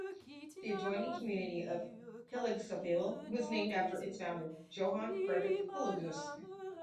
The adjoining community of Hillegassville was named after its founder Johann Frederick Hillegass.